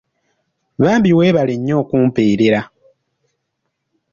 Bambi weebale nnyo okumpeerera.